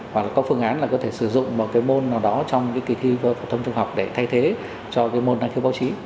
hoặc là có phương án là có thể sử dụng một cái môn nào đó trong cái kỳ thi phổ thông trung học để thay thế cho cái môn năng khiếu báo chí